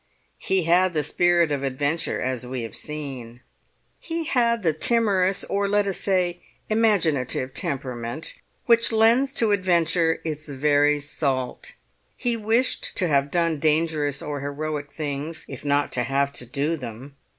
He had the spirit of adventure, as we have seen. He had the timorous, or let us say, the imaginative temperament, which lends to adventure its very salt. He wished to have done dangerous or heroic things, if not to have to do them.